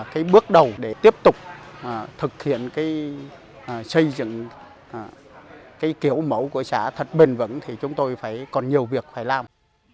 cái bước đầu để tiếp tục thực hiện xây dựng kiểu mẫu của xã thật bền vững thì chúng tôi còn nhiều việc phải làm